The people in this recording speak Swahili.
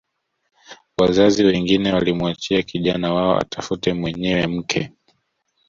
Wazazi wengine walimwacha kijana wao atafute mwenyewe mke